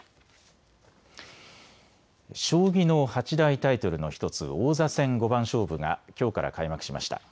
将棋の八大タイトルの１つ、王座戦五番勝負がきょうから開幕しました。